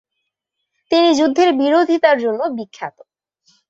তিনি যুদ্ধের বিরোধিতার জন্য বিখ্যাত।